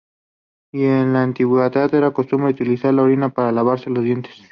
Ya en la antigüedad era costumbre utilizar la orina para lavarse los dientes.